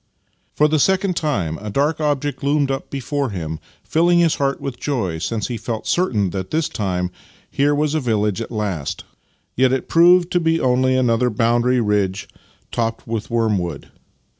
For the second time a dark object loomed up before him, filling his heart with joy, since he felt certain this time that here was a village at last : yet it proved to be only another boundary ridge topped with worm wood.